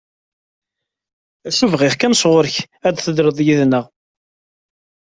Acu bɣiɣ kan sɣur-k, ad thedreḍ yid-neɣ.